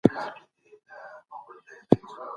د صنايعو زېرمه څنګه کيده؟